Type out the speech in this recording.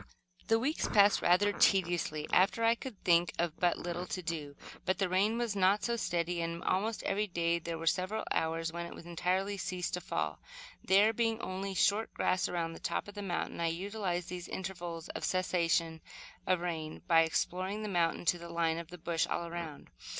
The weeks passed, rather tediously after I could think of but little to do, but the rain was not so steady and, almost every day, there were several hours when it entirely ceased to fall. There being only short grass around the top of the mountain, I utilized these intervals of the cessation of rain by exploring the mountain to the line of the bush, all around.